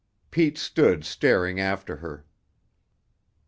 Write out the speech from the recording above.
Pete stood staring after her.